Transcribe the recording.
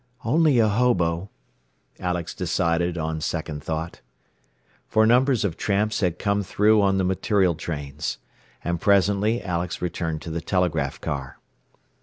"Only a hobo," Alex decided on second thought. For numbers of tramps had come through on the material trains. And presently Alex returned to the telegraph car.